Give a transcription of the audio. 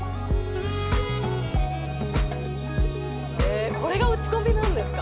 えっこれが打ち込みなんですか？